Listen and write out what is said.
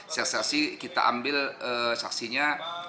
saksi saksi kita ambil saksinya